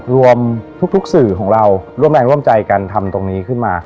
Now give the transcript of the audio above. รวมทุกสื่อของเราร่วมแรงร่วมใจกันทำตรงนี้ขึ้นมา